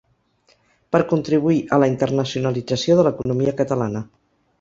Per contribuir a la internacionalització de l’economia catalana.